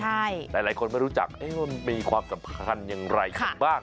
หลายคนไม่รู้จักว่ามีความสำคัญอย่างไรกันบ้าง